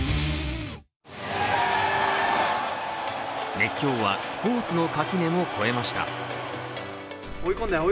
熱狂はスポーツの垣根も越えました。